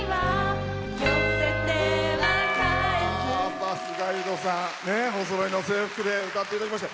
バスガイドさんおそろいの制服で歌っていただきました。